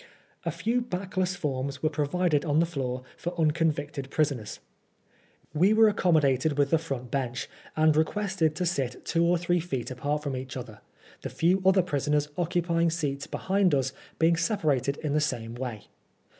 A few backless forms were provided on the floor for unconvicted prisoners. We were accommodated with the front bench, and re quested to sit two or three feet apart from each other, the few other prisoners occupying seats behind us being separated in the same way.